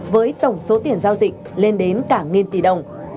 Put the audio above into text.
với tổng số tiền giao dịch lên đến cả nghìn tỷ đồng